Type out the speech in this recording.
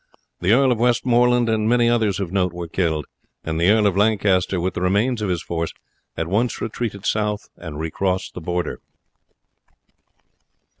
The Earl of Westmoreland and many others of note were killed, and the Earl of Lancaster, with the remains of his force, at once retreated south and recrossed the Border.